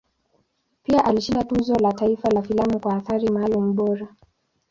Pia alishinda Tuzo la Taifa la Filamu kwa Athari Maalum Bora.